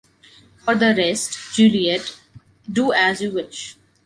For the rest, Juliette, do as you wish.